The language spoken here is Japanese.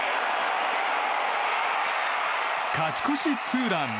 勝ち越しツーラン！